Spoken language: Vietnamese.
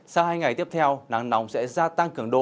sau hai ngày tiếp theo nắng nóng sẽ gia tăng